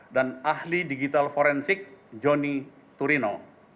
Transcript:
dan ahli digital forensik joni turino